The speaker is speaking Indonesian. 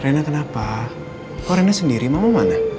rena kenapa kok rena sendiri mama mana